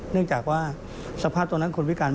เนื่องจากว่าสภาพตรวรรณคุณวิการ